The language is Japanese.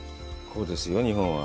こうですよ、日本は。